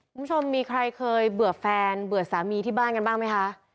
คุณผู้ชมมีใครเคยเบื่อแฟนเบื่อสามีที่บ้านกันบ้างไหมคะ